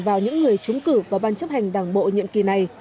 vào những người trúng cử vào ban chấp hành đảng bộ nhiệm kỳ này